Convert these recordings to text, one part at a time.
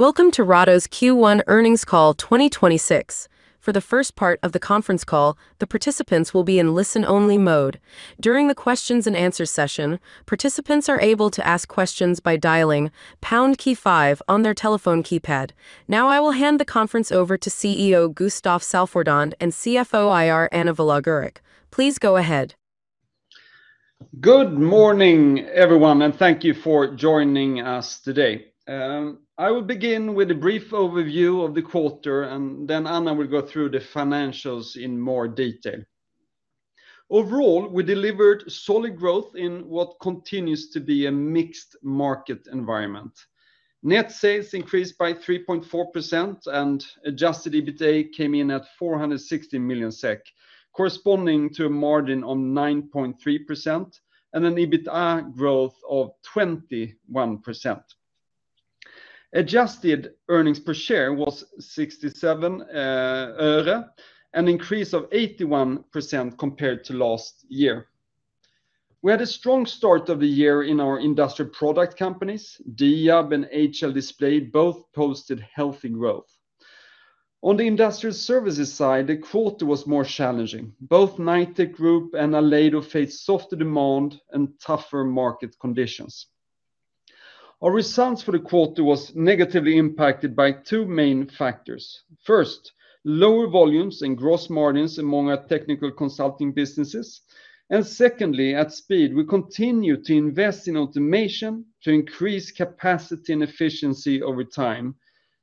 Welcome to Ratos's Q1 Earnings Call 2026. For the first part of the conference call, the participants will be in listen-only mode. During the questions and answers session, participants are able to ask questions by dialing pound key five on their telephone keypad. I will hand the conference over to CEO Gustaf Salford and CFO and IR Anna Vilogorac. Please go ahead. Good morning, everyone, and thank you for joining us today. I will begin with a brief overview of the quarter, and then Anna will go through the financials in more detail. Overall, we delivered solid growth in what continues to be a mixed market environment. Net sales increased by 3.4%, and adjusted EBITDA came in at 460 million SEK, corresponding to a margin on 9.3% and an EBITDA growth of 21%. Adjusted earnings per share was 67 Öre, an increase of 81% compared to last year. We had a strong start of the year in our industrial product companies. Diab and HL Display both posted healthy growth. On the industrial services side, the quarter was more challenging. Both Knightec Group and Aibel faced softer demand and tougher market conditions. Our results for the quarter was negatively impacted by two main factors. First, lower volumes and gross margins among our technical consulting businesses. Secondly, at Speed, we continue to invest in automation to increase capacity and efficiency over time,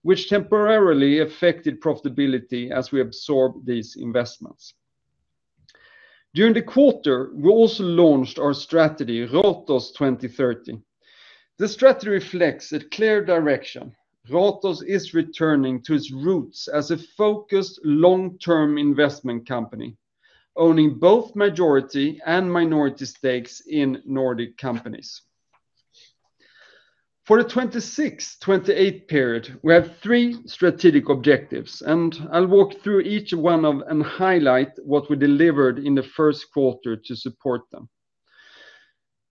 which temporarily affected profitability as we absorb these investments. During the quarter, we also launched our strategy, Ratos 2030. The strategy reflects a clear direction. Ratos is returning to its roots as a focused long-term investment company, owning both majority and minority stakes in Nordic companies. For the 2026, 2028 period, we have three strategic objectives, and I'll walk through each one of and highlight what we delivered in the first quarter to support them.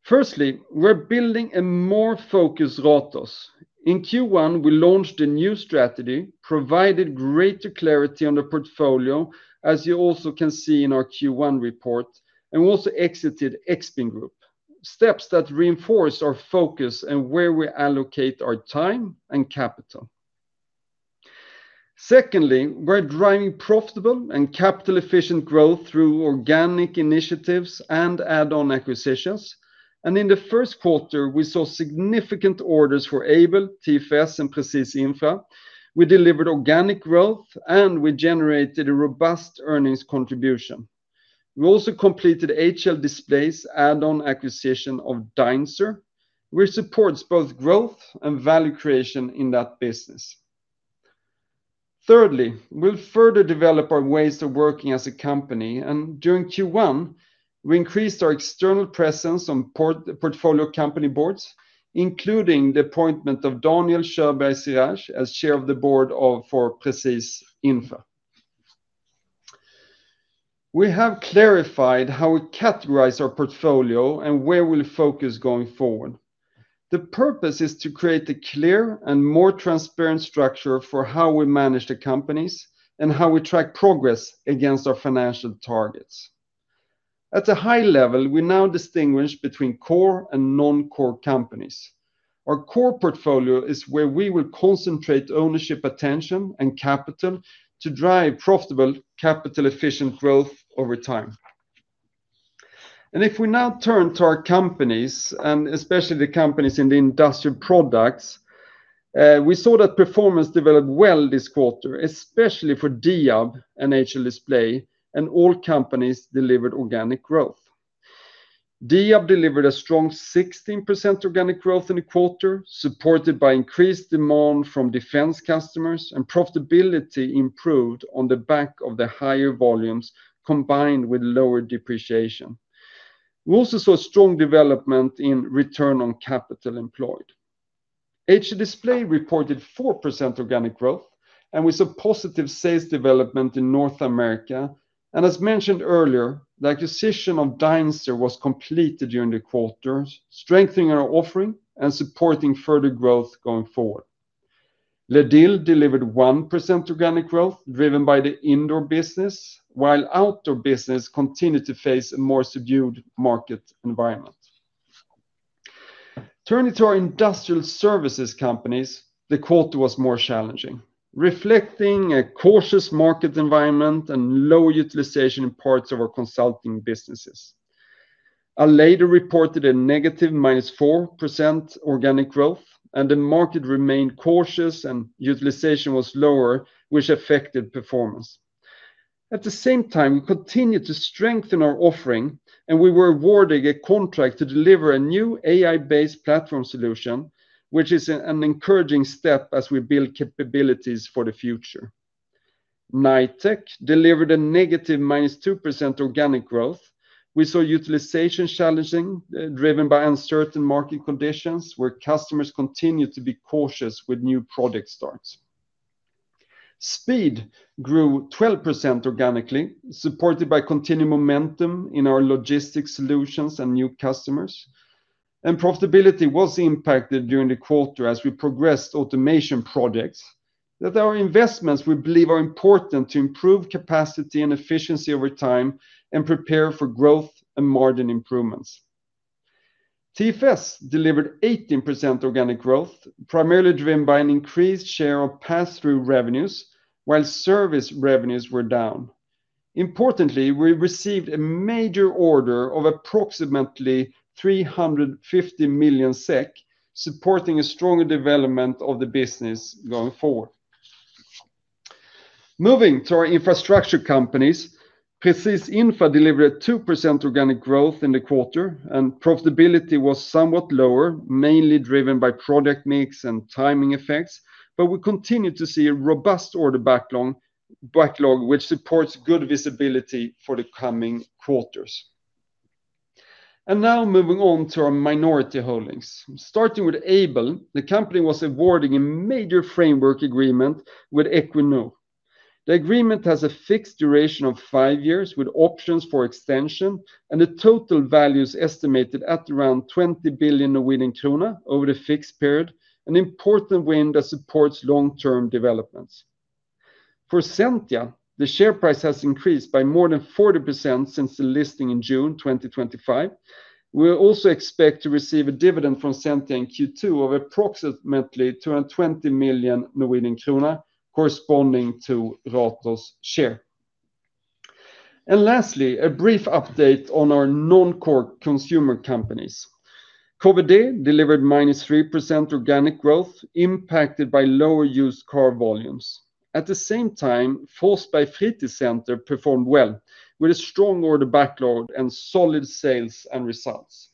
Firstly, we're building a more focused Ratos. In Q1, we launched a new strategy, provided greater clarity on the portfolio, as you also can see in our Q1 report. We also exited Expin Group, steps that reinforce our focus and where we allocate our time and capital. Secondly, we're driving profitable and capital-efficient growth through organic initiatives and add-on acquisitions. In the first quarter, we saw significant orders for Aibel, TFS, and Presis Infra. We delivered organic growth. We generated a robust earnings contribution. We also completed HL Display's add-on acquisition of Deinzer, which supports both growth and value creation in that business. Thirdly, we'll further develop our ways of working as a company. During Q1, we increased our external presence on portfolio company boards, including the appointment of Daniel Sjöberg as chair of the board for Presis Infra. We have clarified how we categorize our portfolio and where we'll focus going forward. The purpose is to create a clear and more transparent structure for how we manage the companies and how we track progress against our financial targets. At a high level, we now distinguish between core and non-core companies. Our core portfolio is where we will concentrate ownership attention and capital to drive profitable capital-efficient growth over time. If we now turn to our companies, especially the companies in the industrial products, we saw that performance developed well this quarter, especially for Diab and HL Display, and all companies delivered organic growth. Diab delivered a strong 16% organic growth in the quarter, supported by increased demand from defense customers, and profitability improved on the back of the higher volumes combined with lower depreciation. We also saw strong development in Return on Capital Employed. HL Display reported 4% organic growth. We saw positive sales development in North America. As mentioned earlier, the acquisition of Deinzer was completed during the quarter, strengthening our offering and supporting further growth going forward. Ledil delivered 1% organic growth, driven by the indoor business, while outdoor business continued to face a more subdued market environment. Turning to our industrial services companies, the quarter was more challenging, reflecting a cautious market environment and low utilization in parts of our consulting businesses. Aibel reported a negative 4% organic growth. The market remained cautious and utilization was lower, which affected performance. At the same time, we continued to strengthen our offering. We were awarded a contract to deliver a new AI-based platform solution, which is an encouraging step as we build capabilities for the future. Knightec delivered a negative -2% organic growth. We saw utilization challenging, driven by uncertain market conditions where customers continued to be cautious with new product starts. Speed grew 12% organically, supported by continued momentum in our logistics solutions and new customers. Profitability was impacted during the quarter as we progressed automation projects that our investments we believe are important to improve capacity and efficiency over time and prepare for growth and margin improvements. TFS delivered 18% organic growth, primarily driven by an increased share of pass-through revenues, while service revenues were down. Importantly, we received a major order of approximately 350 million SEK, supporting a strong development of the business going forward. Moving to our infrastructure companies, Presis Infra delivered a 2% organic growth in the quarter, profitability was somewhat lower, mainly driven by product mix and timing effects, but we continue to see a robust order backlog which supports good visibility for the coming quarters. Now moving on to our minority holdings. Starting with Aibel, the company was awarded a major framework agreement with Equinor. The agreement has a fixed duration of five years with options for extension, the total value is estimated at around 20 billion Norwegian kroner over the fixed period, an important win that supports long-term developments. For Sentia, the share price has increased by more than 40% since the listing in June 2025. We also expect to receive a dividend from Sentia in Q2 of approximately 220 million Norwegian kroner, corresponding to Ratos' share. Lastly, a brief update on our non-core consumer companies. KVD delivered -3% organic growth, impacted by lower used car volumes. At the same time, Forsby Fritidscenter performed well, with a strong order backlog and solid sales and results.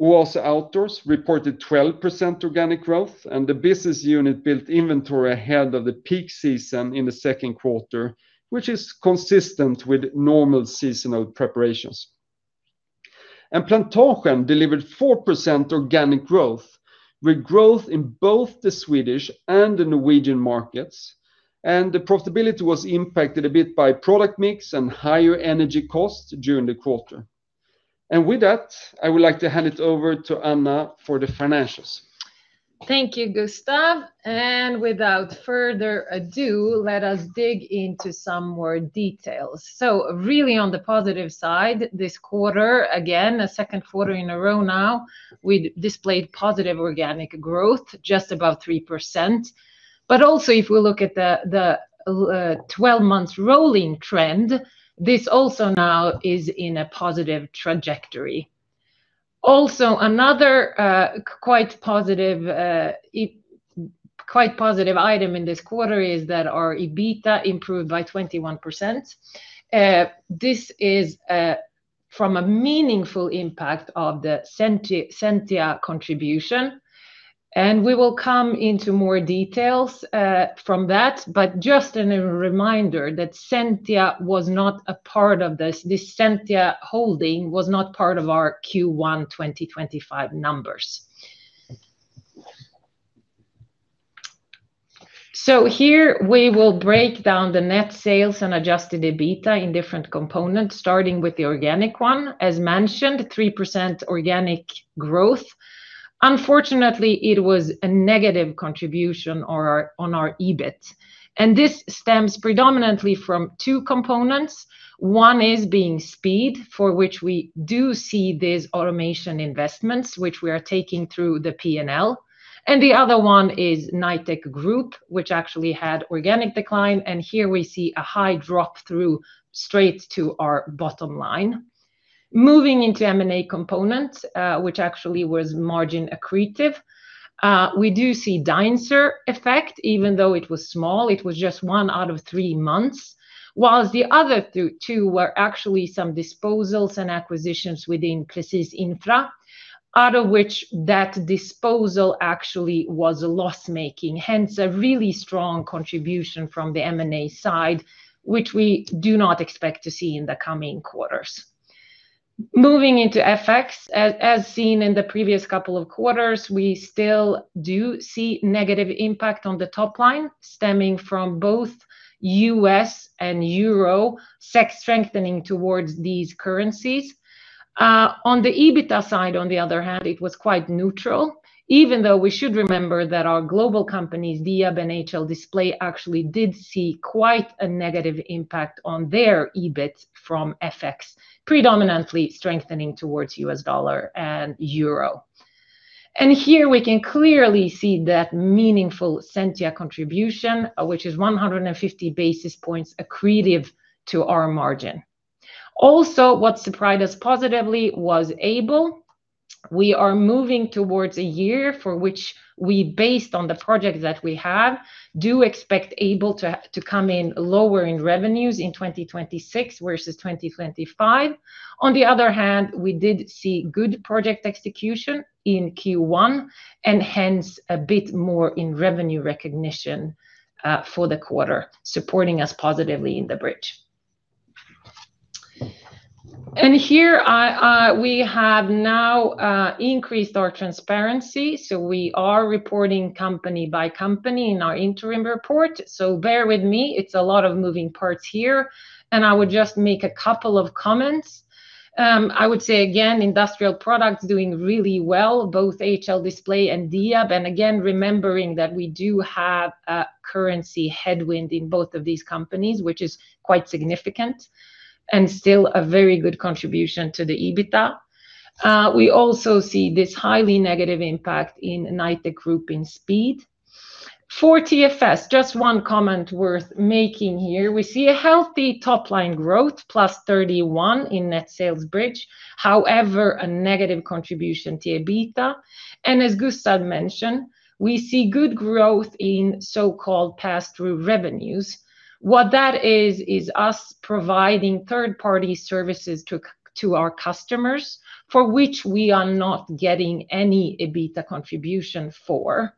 Oase Outdoors reported 12% organic growth, and the business unit built inventory ahead of the peak season in the second quarter, which is consistent with normal seasonal preparations. Plantasjen delivered 4% organic growth, with growth in both the Swedish and the Norwegian markets, and the profitability was impacted a bit by product mix and higher energy costs during the quarter. With that, I would like to hand it over to Anna for the financials. Thank you, Gustaf. Without further ado, let us dig into some more details. Really on the positive side, this quarter, again, a second quarter in a row now, we displayed positive organic growth, just above 3%. Also if we look at the 12 months rolling trend, this also now is in a positive trajectory. Also, another quite positive item in this quarter is that our EBITDA improved by 21%. This is from a meaningful impact of the Sentia contribution, and we will come into more details from that. Just a reminder that Sentia was not a part of this. This Sentia holding was not part of our Q1 2025 numbers. Here we will break down the net sales and adjusted EBITDA in different components, starting with the organic one. As mentioned, 3% organic growth. Unfortunately, it was a negative contribution on our EBIT. This stems predominantly from two components. One is being Speed, for which we do see these automation investments, which we are taking through the P&L. The other one is Knightec Group, which actually had organic decline, and here we see a high drop through straight to our bottom line. Moving into M&A component, which actually was margin accretive, we do see Deinzer effect, even though it was small. It was just one out of three months, whilst the other two were actually some disposals and acquisitions within Presis Infra, out of which that disposal actually was loss-making, hence a really strong contribution from the M&A side, which we do not expect to see in the coming quarters. Moving into FX, as seen in the previous couple of quarters, we still do see negative impact on the top line stemming from both U.S. dollar and Euro, SEK strengthening towards these currencies. On the EBITDA side, on the other hand, it was quite neutral, even though we should remember that our global companies, Diab and HL Display, actually did see quite a negative impact on their EBIT from FX, predominantly strengthening towards U.S. dollar and Euro. Here we can clearly see that meaningful Sentia contribution, which is 150 basis points accretive to our margin. Also, what surprised us positively was Aibel. We are moving towards a year for which we, based on the projects that we have, do expect Aibel to come in lower in revenues in 2026 versus 2025. On the other hand, we did see good project execution in Q1, and hence a bit more in revenue recognition for the quarter, supporting us positively in the bridge. Here we have now increased our transparency, so we are reporting company by company in our interim report. Bear with me, it's a lot of moving parts here, and I would just make a couple of comments. I would say again, industrial products doing really well, both HL Display and Diab. Again, remembering that we do have a currency headwind in both of these companies, which is quite significant, and still a very good contribution to the EBITDA. We also see this highly negative impact in Knightec Group in Speed. For TFS, just one comment worth making here. We see a healthy top line growth, +31 in net sales bridge, however, a negative contribution to EBITDA. As Gustaf mentioned, we see good growth in so-called passthrough revenues. What that is us providing third-party services to our customers, for which we are not getting any EBITDA contribution for.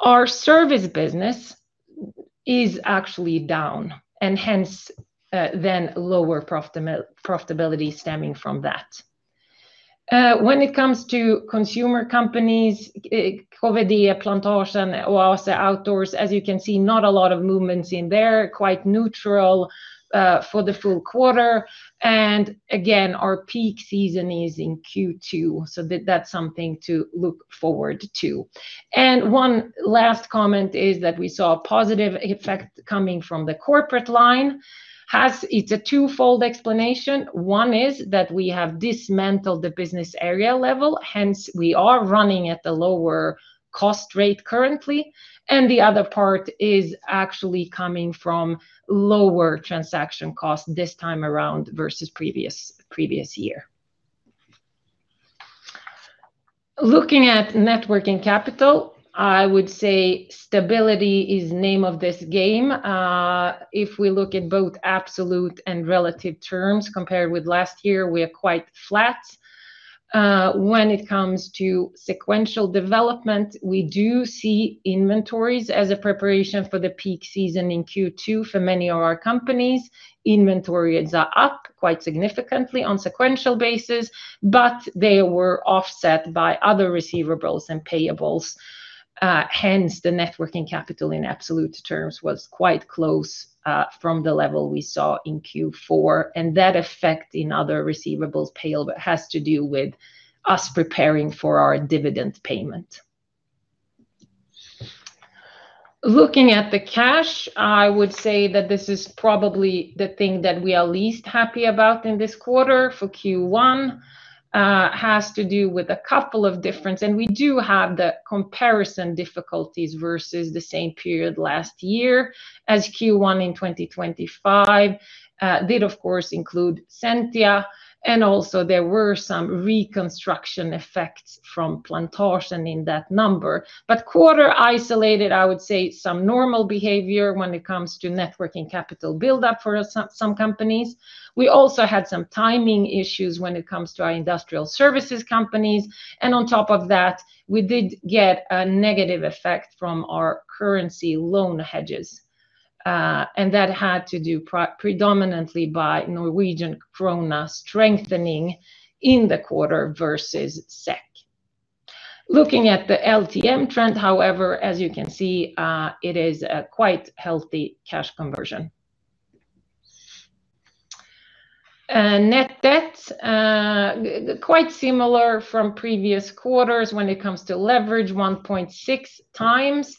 Our service business is actually down, and hence, then lower profitability stemming from that. When it comes to consumer companies, KVD, Plantasjen, Oase Outdoors, as you can see, not a lot of movements in there. Quite neutral for the full quarter. Again, our peak season is in Q2, so that's something to look forward to. One last comment is that we saw a positive effect coming from the corporate line. It's a twofold explanation. One is that we have dismantled the business area level, hence we are running at a lower cost rate currently. The other part is actually coming from lower transaction costs this time around versus previous year. Looking at net working capital, I would say stability is name of this game. If we look at both absolute and relative terms compared with last year, we are quite flat. When it comes to sequential development, we do see inventories as a preparation for the peak season in Q2 for many of our companies. Inventories are up quite significantly on sequential basis. They were offset by other receivables and payables. Hence the net working capital in absolute terms was quite close from the level we saw in Q4. That effect in other receivables payable has to do with us preparing for our dividend payment. Looking at the cash, I would say that this is probably the thing that we are least happy about in this quarter for Q1. Has to do with a couple of difference, and we do have the comparison difficulties versus the same period last year, as Q1 in 2025 did of course include Sentia, and also there were some reconstruction effects from Plantasjen in that number. Quarter isolated, I would say some normal behavior when it comes to net working capital buildup for some companies. We also had some timing issues when it comes to our industrial services companies. On top of that, we did get a negative effect from our currency loan hedges, and that had to do predominantly by Norwegian krone strengthening in the quarter versus SEK. Looking at the LTM trend, however, as you can see, it is a quite healthy cash conversion. Net debt, quite similar from previous quarters when it comes to leverage 1.6x.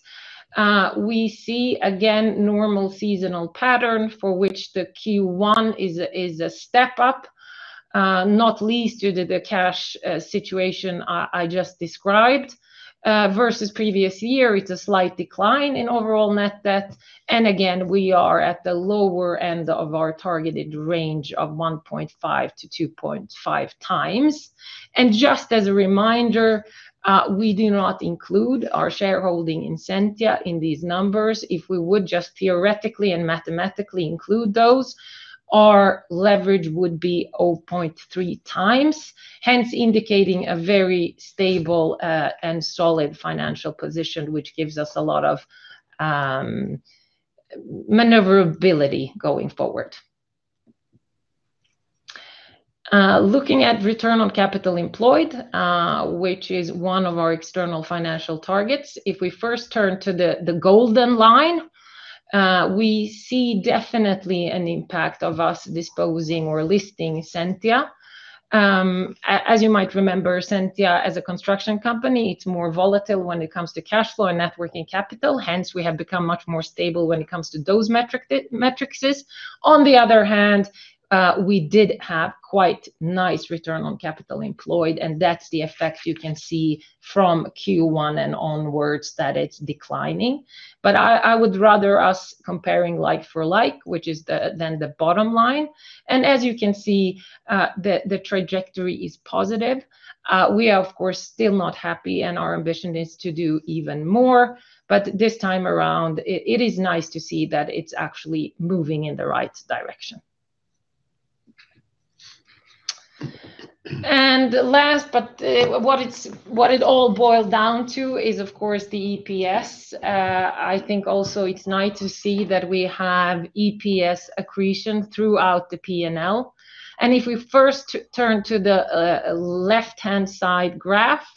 We see again normal seasonal pattern for which the Q1 is a step up, not least due to the cash situation I just described. Versus previous year, it's a slight decline in overall net debt. Again, we are at the lower end of our targeted range of 1.5x-2.5x. Just as a reminder, we do not include our shareholding in Sentia in these numbers. If we would just theoretically and mathematically include those, our leverage would be 0.3x, hence indicating a very stable and solid financial position, which gives us a lot of maneuverability going forward. Looking at Return on Capital Employed, which is one of our external financial targets, if we first turn to the golden line, we see definitely an impact of us disposing or listing Sentia. As you might remember, Sentia as a construction company, it's more volatile when it comes to cash flow and net working capital. We have become much more stable when it comes to those metrics. On the other hand, we did have quite nice Return on Capital Employed, and that's the effect you can see from Q1 and onwards that it's declining. I would rather us comparing like for like, which is then the bottom line. As you can see, the trajectory is positive. We are of course still not happy, our ambition is to do even more, but this time around, it is nice to see that it's actually moving in the right direction. Last, but, uh, what it all boils down to is, of course, the EPS. I think also it's nice to see that we have EPS accretion throughout the P&L. If we first turn to the left-hand side graph,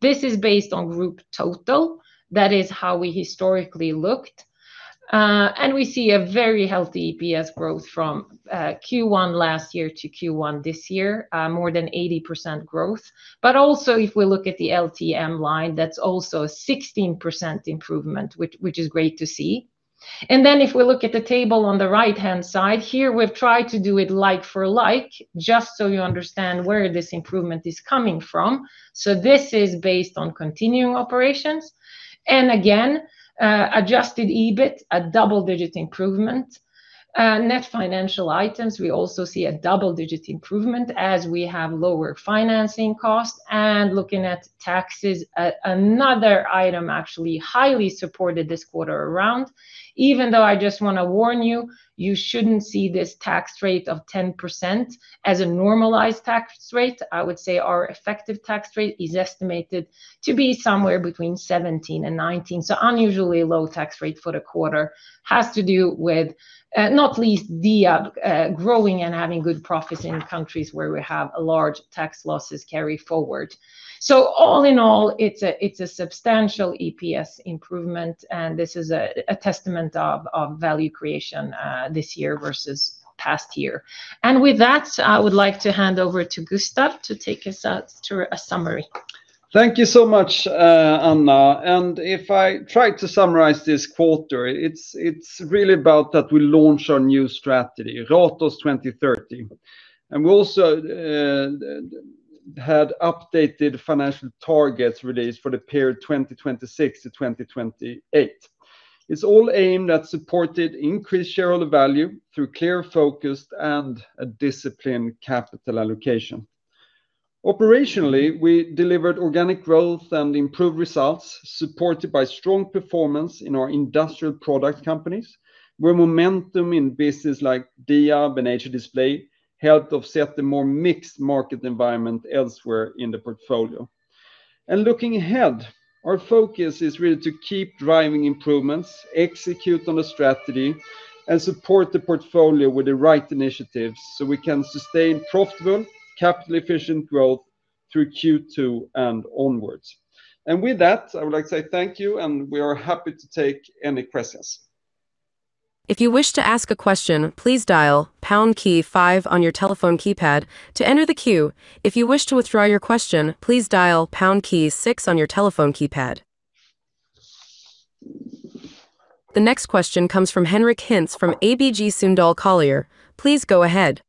this is based on group total. That is how we historically looked. We see a very healthy EPS growth from Q1 last year to Q1 this year, more than 80% growth. Also, if we look at the LTM line, that's also a 16% improvement, which is great to see. If we look at the table on the right-hand side, here we've tried to do it like for like, just so you understand where this improvement is coming from. This is based on continuing operations. Again, adjusted EBIT, a double-digit improvement. Net financial items, we also see a double-digit improvement as we have lower financing costs. Looking at taxes, another item actually highly supported this quarter around. Even though I just wanna warn you shouldn't see this tax rate of 10% as a normalized tax rate. I would say our effective tax rate is estimated to be somewhere between 17% and 19%. Unusually low tax rate for the quarter has to do with, not least the growing and having good profits in countries where we have a large tax losses carry forward. All in all, it's a substantial EPS improvement, this is a testament of value creation this year versus past year. With that, I would like to hand over to Gustaf to take us out through a summary. Thank you so much, Anna. If I try to summarize this quarter, it's really about that we launch our new strategy, Ratos 2030. We also had updated financial targets released for the period 2026 to 2028. It's all aimed at supported increased shareholder value through clear focus and a disciplined capital allocation. Operationally, we delivered organic growth and improved results, supported by strong performance in our industrial product companies, where momentum in business like Diab, HL Display helped offset the more mixed market environment elsewhere in the portfolio. Looking ahead, our focus is really to keep driving improvements, execute on the strategy, and support the portfolio with the right initiatives, so we can sustain profitable, capital-efficient growth through Q2 and onwards. With that, I would like to say thank you, and we are happy to take any questions. If you wish to ask a question please dial pound key five on your telephone keypad to enter the queue. If you wish to withdraw your question please dial pound key six on your telephone keypad. The next question comes from Henric Hintze from ABG Sundal Collier. Please go ahead.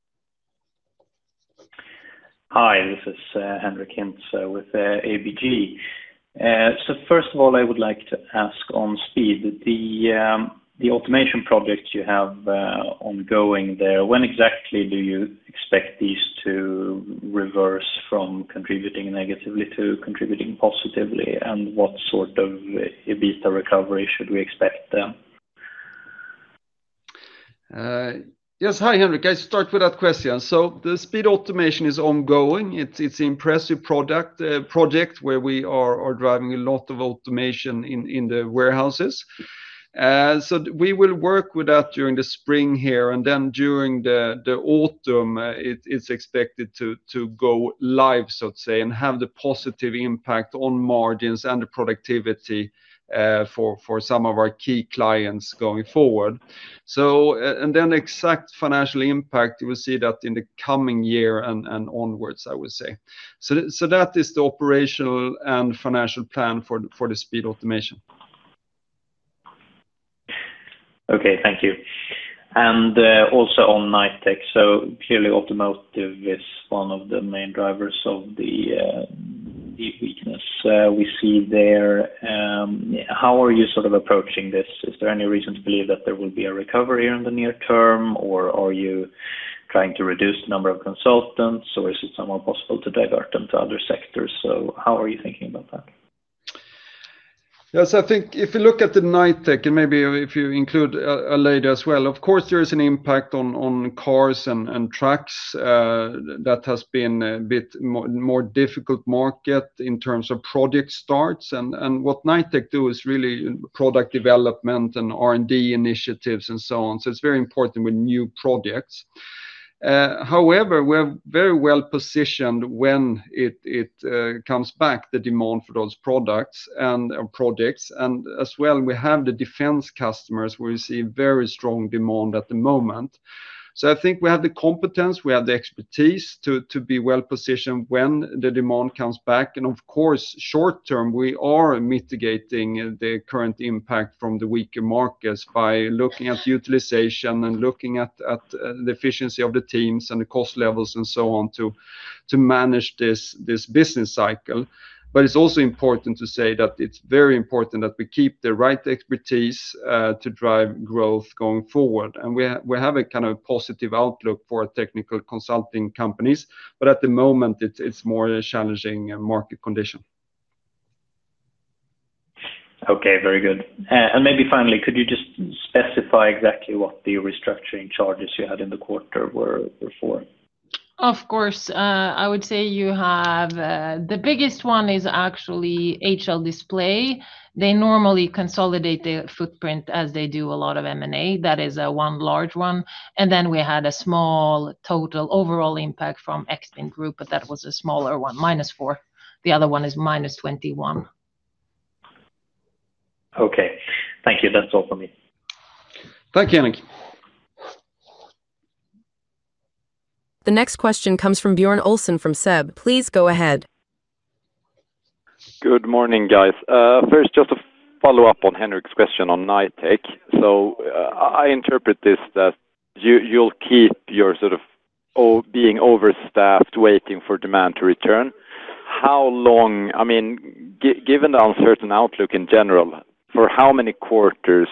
Hi, this is Henric Hintze with ABG. First of all, I would like to ask on Speed, the automation projects you have ongoing there, when exactly do you expect these to reverse from contributing negatively to contributing positively? What sort of EBITDA recovery should we expect there? Yes. Hi, Henric. I start with that question. The Speed automation is ongoing. It's impressive product, project where we are driving a lot of automation in the warehouses. We will work with that during the spring here, and then during the autumn, it's expected to go live, so to say, and have the positive impact on margins and the productivity for some of our key clients going forward. And then exact financial impact, we'll see that in the coming year and onwards, I would say. That is the operational and financial plan for the Speed automation. Okay. Thank you. Also on Knightec, purely automotive is one of the main drivers of the weakness we see there. How are you sort of approaching this? Is there any reason to believe that there will be a recovery in the near term, or are you trying to reduce the number of consultants, or is it somehow possible to divert them to other sectors? How are you thinking about that? Yes. I think if you look at the Knightec, maybe if you include Aibel as well, of course, there is an impact on cars and trucks. That has been a bit more difficult market in terms of project starts. What Knightec do is really product development and R&D initiatives and so on. It's very important with new projects. However, we're very well-positioned when it comes back, the demand for those products and or projects. As well, we have the defense customers where we see very strong demand at the moment. I think we have the competence, we have the expertise to be well-positioned when the demand comes back. Of course, short term, we are mitigating the current impact from the weaker markets by looking at utilization and looking at the efficiency of the teams and the cost levels and so on to manage this business cycle. It's also important to say that it's very important that we keep the right expertise to drive growth going forward. We have a kind of positive outlook for technical consulting companies, but at the moment, it's more a challenging market condition. Okay, very good. Maybe finally, could you just specify exactly what the restructuring charges you had in the quarter were for? Of course. I would say you have. The biggest one is actually HL Display. They normally consolidate their footprint as they do a lot of M&A. That is one large one. Then we had a small total overall impact from Expin Group, but that was a smaller one, -4. The other one is -21. Okay. Thank you. That's all for me. Thank you, Henric. The next question comes from Björn Olsson from SEB. Please go ahead. Good morning, guys. First just to follow up on Henric's question on Knightec. I interpret this that you'll keep your sort of being overstaffed waiting for demand to return. How long I mean, given the uncertain outlook in general, for how many quarters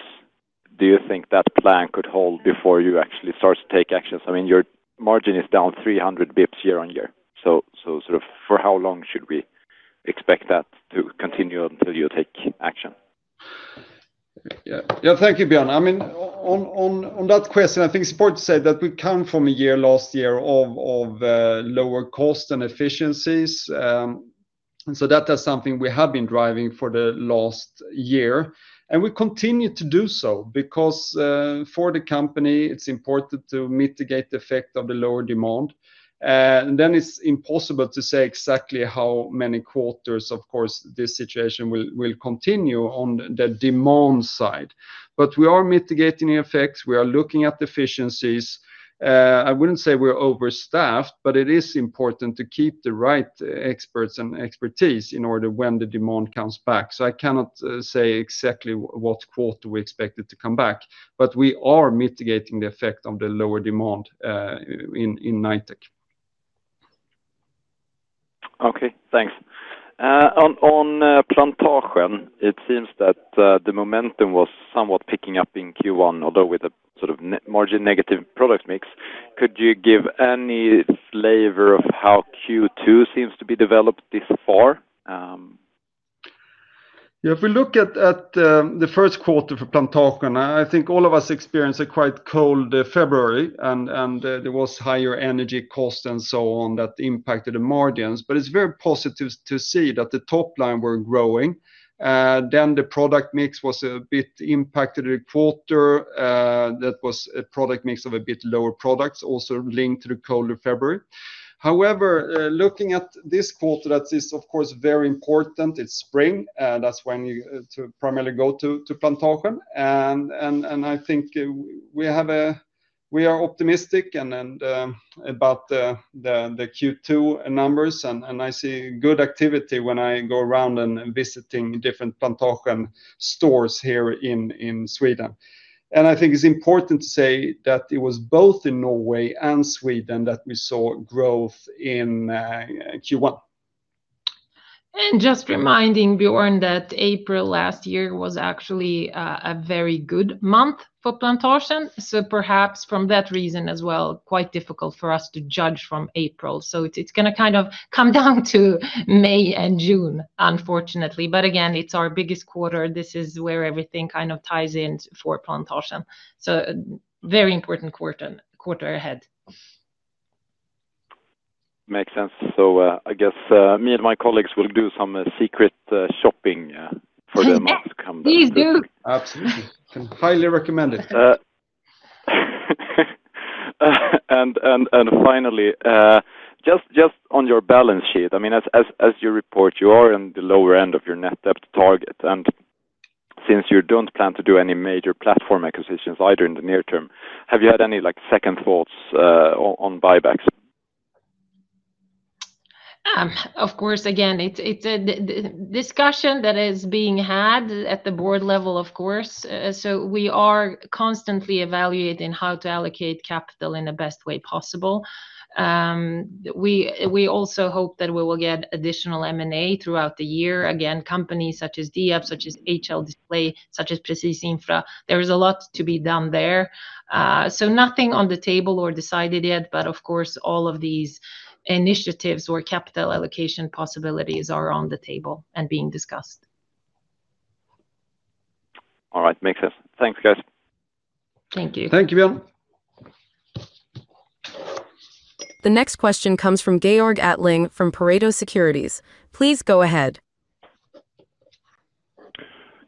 do you think that plan could hold before you actually start to take actions? I mean, your margin is down 300 basis points year-on-year. Sort of for how long should we expect that to continue until you take action? Yeah. Yeah. Thank you, Björn. I mean, on that question, I think it's important to say that we come from a year last year of lower cost and efficiencies. That is something we have been driving for the last year, and we continue to do so because for the company it's important to mitigate the effect of the lower demand. It's impossible to say exactly how many quarters, of course, this situation will continue on the demand side. But we are mitigating the effects. We are looking at efficiencies. I wouldn't say we're overstaffed, but it is important to keep the right experts and expertise in order when the demand comes back. I cannot say exactly what quarter we expect it to come back, but we are mitigating the effect on the lower demand in Knightec. Okay. Thanks. On Plantasjen, it seems that the momentum was somewhat picking up in Q1, although with a sort of margin negative product mix. Could you give any flavor of how Q2 seems to be developed this far? If we look at the first quarter for Plantasjen, I think all of us experienced a quite cold February and there was higher energy cost and so on that impacted the margins, but it's very positive to see that the top line were growing. The product mix was a bit impacted in the quarter. That was a product mix of a bit lower products also linked to the colder February. Looking at this quarter that is, of course, very important, it's spring. That's when you to primarily go to Plantasjen and I think we are optimistic and about the Q2 numbers and I see good activity when I go around and visiting different Plantasjen stores here in Sweden. I think it's important to say that it was both in Norway and Sweden that we saw growth in Q1. Just reminding Björn that April last year was actually a very good month for Plantasjen, so perhaps from that reason as well, quite difficult for us to judge from April. It's gonna kind of come down to May and June, unfortunately. Again, it's our biggest quarter. This is where everything kind of ties in for Plantasjen, so a very important quarter ahead. Makes sense. I guess me and my colleagues will do some secret shopping for the month coming. Please do. Absolutely. Can highly recommend it. Finally, just on your balance sheet. I mean, as you report, you are in the lower end of your net debt target, and since you don't plan to do any major platform acquisitions either in the near term, have you had any, like, second thoughts on buybacks? Of course, again, it's a discussion that is being had at the board level, of course. We are constantly evaluating how to allocate capital in the best way possible. We also hope that we will get additional M&A throughout the year. Again, companies such as Diab, such as HL Display, such as Presis Infra, there is a lot to be done there. Nothing on the table or decided yet, but of course all of these initiatives or capital allocation possibilities are on the table and being discussed. All right. Makes sense. Thanks, guys. Thank you. Thank you, Björn. The next question comes from Georg Attling from Pareto Securities. Please go ahead.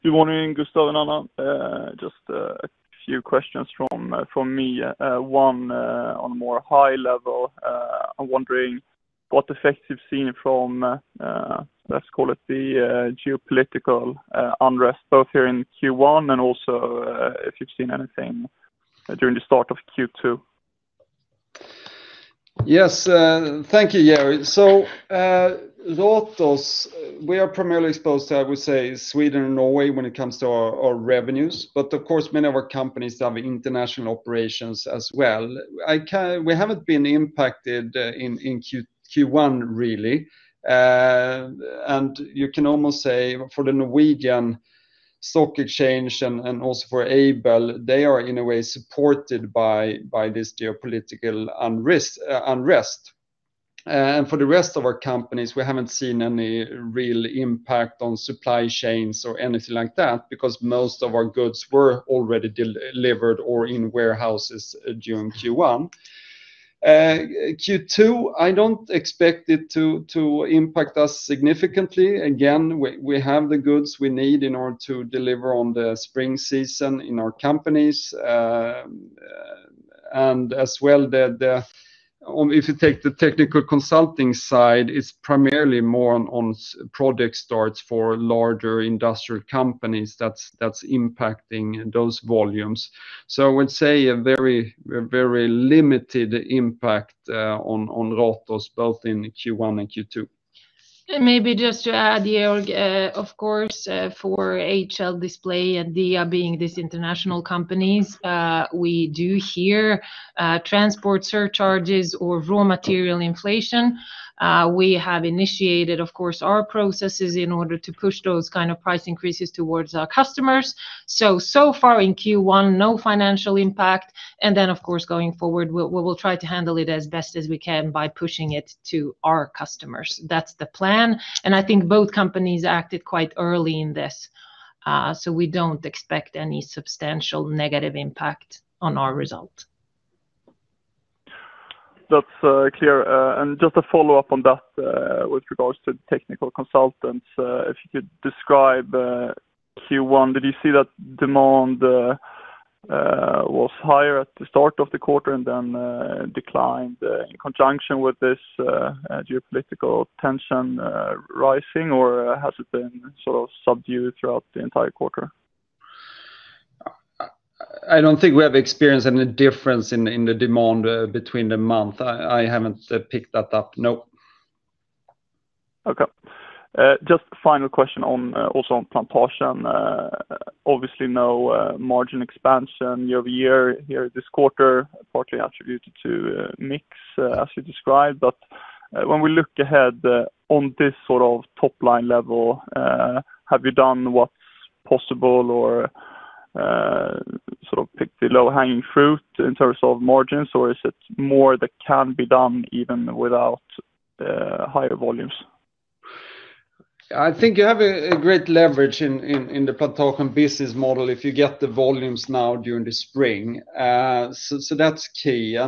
Good morning, Gustaf and Anna. Just a few questions from me. One on more high level. I'm wondering what effects you've seen from let's call it the geopolitical unrest, both here in Q1 and also if you've seen anything during the start of Q2. Yes. Thank you, Georg. Ratos, we are primarily exposed to, I would say, Sweden and Norway when it comes to our revenues, but of course many of our companies have international operations as well. We haven't been impacted in Q1 really. You can almost say for the Norwegian Stock Exchange and also for Aibel, they are in a way supported by this geopolitical unrest. For the rest of our companies, we haven't seen any real impact on supply chains or anything like that because most of our goods were already delivered or in warehouses during Q1. Q2, I don't expect it to impact us significantly. Again, we have the goods we need in order to deliver on the spring season in our companies. As well the if you take the technical consulting side, it's primarily more on product starts for larger industrial companies that's impacting those volumes. I would say a very limited impact on Ratos, both in Q1 and Q2. Maybe just to add, Georg, of course, for HL Display and Diab being these international companies, we do hear transport surcharges or raw material inflation. We have initiated, of course, our processes in order to push those kind of price increases towards our customers. So far in Q1, no financial impact. Then of course, going forward, we will try to handle it as best as we can by pushing it to our customers. That's the plan, and I think both companies acted quite early in this. We don't expect any substantial negative impact on our result. That's clear. Just a follow-up on that, with regards to technical consultants, if you could describe Q1. Did you see that demand was higher at the start of the quarter and then declined in conjunction with this geopolitical tension rising, or has it been sort of subdued throughout the entire quarter? I don't think we have experienced any difference in the demand between the month. I haven't picked that up, no. Okay. Just final question on also on Plantasjen. Obviously no margin expansion year-over-year here this quarter, partly attributed to mix as you described. When we look ahead on this sort of top line level, have you done what's possible or sort of picked the low-hanging fruit in terms of margins? Or is it more that can be done even without higher volumes? I think you have a great leverage in the Plantasjen business model if you get the volumes now during the spring. So that's key.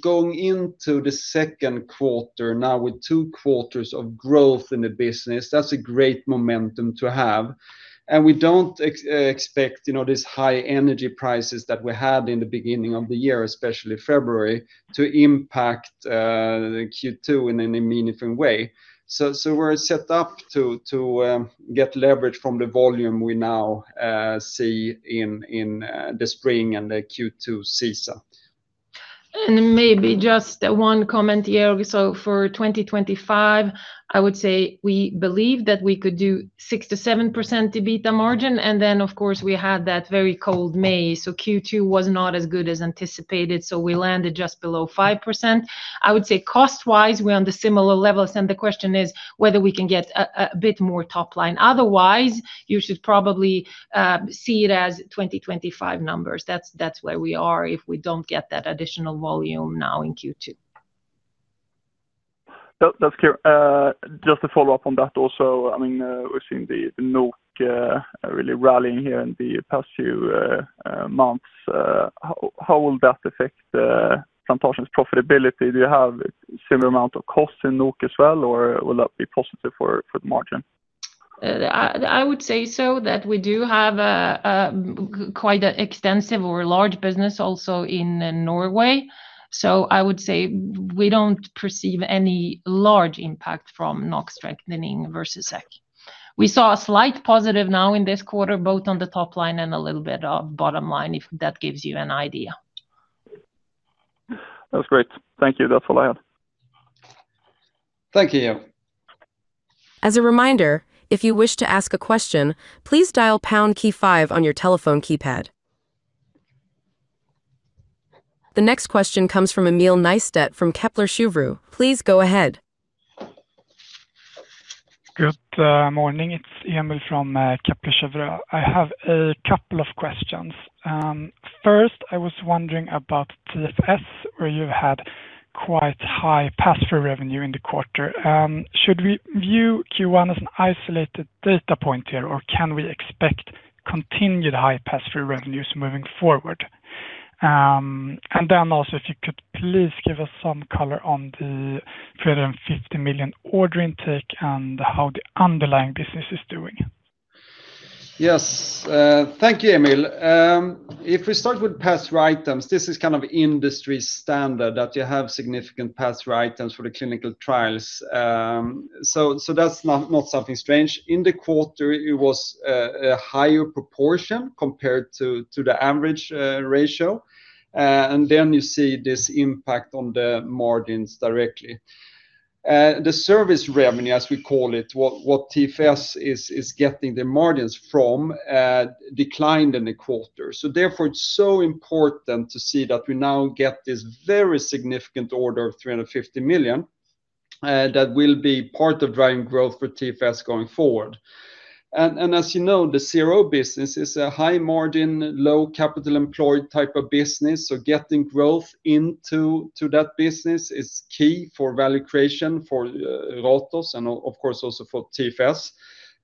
Going into the second quarter now with two quarters of growth in the business, that's a great momentum to have. We don't expect, you know, these high energy prices that we had in the beginning of the year, especially February, to impact Q2 in any meaningful way. We're set up to get leverage from the volume we now see in the spring and the Q2 season. Maybe just one comment here. For 2025, I would say we believe that we could do 6%-7% EBITDA margin. Of course we had that very cold May. Q2 was not as good as anticipated. We landed just below 5%. I would say cost-wise, we're on the similar levels. The question is whether we can get a bit more top line. Otherwise, you should probably see it as 2025 numbers. That's where we are if we don't get that additional volume now in Q2. That, that's clear. Just to follow up on that also, I mean, we've seen the NOK really rallying here in the past few months. How will that affect Plantasjen's profitability? Do you have a similar amount of costs in NOK as well, or will that be positive for the margin? I would say so, that we do have a quite extensive or a large business also in Norway. I would say we don't perceive any large impact from NOK strengthening versus SEK. We saw a slight positive now in this quarter, both on the top line and a little bit of bottom line, if that gives you an idea. That's great. Thank you. That's all I had. Thank you. As a reminder, if you wish to ask a question please dial pound key five on your telephone keypad. The next question comes from Emil Nystedt from Kepler Cheuvreux. Please go ahead. Good morning. It's Emil from Kepler Cheuvreux. I have a couple of questions. First, I was wondering about TFS, where you had quite high pass-through revenue in the quarter. Should we view Q1 as an isolated data point here, or can we expect continued high pass-through revenues moving forward? Also if you could please give us some color on the 350 million order intake and how the underlying business is doing. Yes. Thank you, Emil. If we start with pass-through items, this is kind of industry standard that you have significant pass-through items for the clinical trials. That's not something strange. In the quarter, it was a higher proportion compared to the average ratio. Then you see this impact on the margins directly. The service revenue, as we call it, what TFS is getting the margins from, declined in the quarter. It's so important to see that we now get this very significant order of 350 million that will be part of driving growth for TFS going forward. As you know, the CRO business is a high margin, low capital employed type of business, so getting growth into that business is key for value creation for Ratos and of course also for TFS.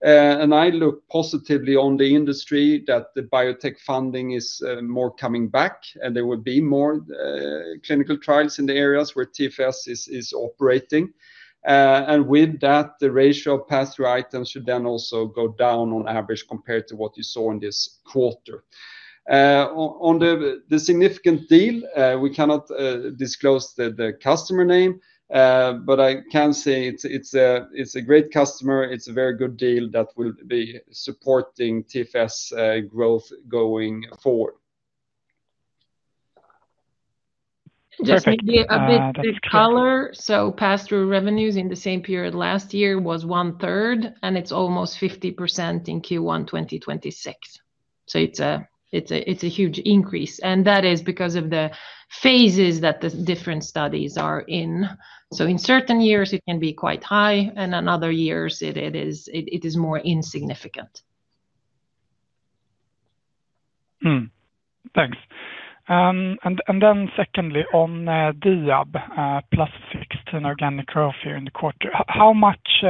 I look positively on the industry that the biotech funding is more coming back, and there will be more clinical trials in the areas where TFS is operating. With that, the ratio of pass-through items should then also go down on average compared to what you saw in this quarter. On the significant deal, we cannot disclose the customer name, but I can say it's a great customer. It's a very good deal that will be supporting TFS' growth going forward. Just maybe a bit of color. Pass-through revenues in the same period last year was one-third, and it's almost 50% in Q1 2026. It's a huge increase, and that is because of the phases that the different studies are in. In certain years it can be quite high, and in other years it is more insignificant. Thanks. Then secondly on Diab, plus fixed and organic growth here in the quarter, how much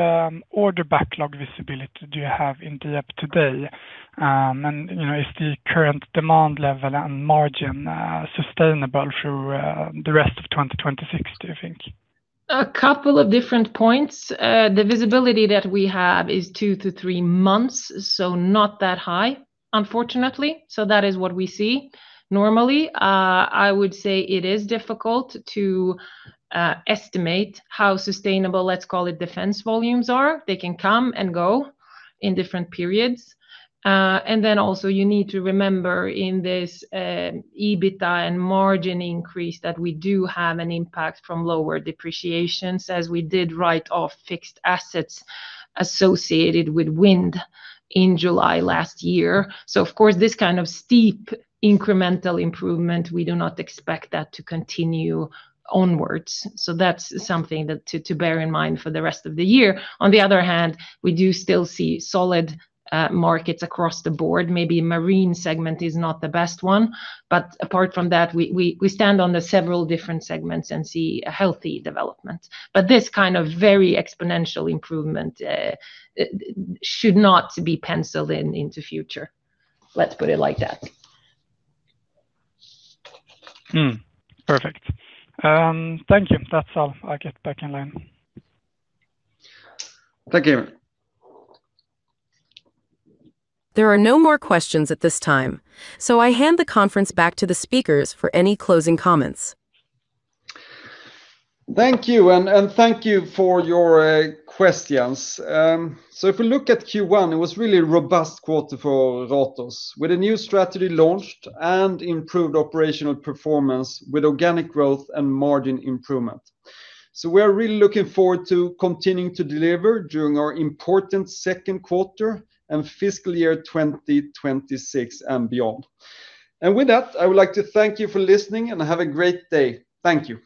order backlog visibility do you have in Diab today? And, you know, is the current demand level and margin sustainable through the rest of 2026, do you think? A couple of different points. The visibility that we have is 2 months-3 months, not that high, unfortunately. That is what we see. Normally, I would say it is difficult to estimate how sustainable, let's call it, defense volumes are. They can come and go in different periods. Also, you need to remember in this EBITDA and margin increase that we do have an impact from lower depreciation, as we did write off fixed assets associated with wind in July last year. Of course, this kind of steep incremental improvement, we do not expect that to continue onwards. That's something to bear in mind for the rest of the year. On the other hand, we do still see solid markets across the board. Maybe marine segment is not the best one, but apart from that, we stand on the several different segments and see a healthy development. This kind of very exponential improvement should not be penciled in into future. Let's put it like that. Perfect. Thank you. That's all. I'll get back in line. Thank you. There are no more questions at this time. I hand the conference back to the speakers for any closing comments. Thank you, and thank you for your questions. If we look at Q1, it was really a robust quarter for Ratos with a new strategy launched and improved operational performance with organic growth and margin improvement. We are really looking forward to continuing to deliver during our important second quarter and fiscal year 2026 and beyond. With that, I would like to thank you for listening, and have a great day. Thank you.